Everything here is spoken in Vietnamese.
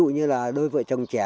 như là đôi vợ chồng trẻ